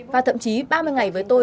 và thậm chí ba mươi ngày với tôi